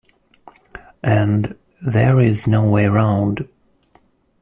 And there is no way round.